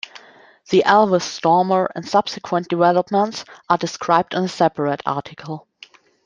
The Alvis Stormer and subsequent developments are described in a separate article.